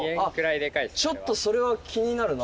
ちょっとそれは気になるな。